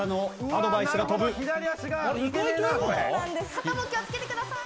肩も気をつけてください。